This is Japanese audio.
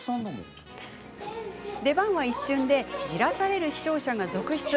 出番は一瞬でじらされる視聴者が続出。